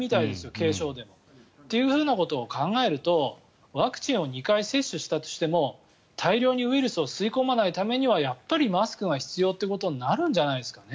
軽症でも。ということを考えるとワクチンを２回接種したとしても大量にウイルスを吸い込まないためにはやっぱりマスクが必要ということになるんじゃないですかね。